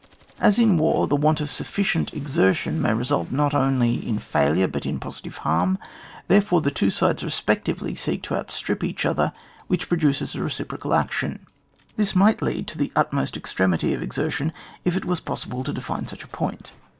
As in war the want of sufficient exer tion may result not only in failure but in positive harm, therefore, the two sides respectively seek to outstrip each other, which produces a reciprocal action. This might lead to the utftiost extre mity of exertion, if it was possible to define such a point.